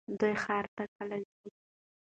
دوی ښار ته کله ځي؟